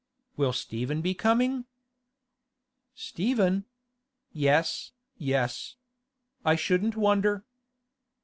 'Will Stephen be coming?' 'Stephen? Yes, yes. I shouldn't wonder.